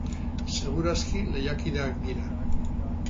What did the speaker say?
Segur aski lehiakideak dira.